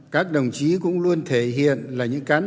các đồng chí cũng luôn thể hiện là những cán bộ